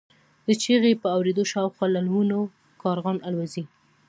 د چیغې په اورېدو شاوخوا له ونو کارغان الوځي.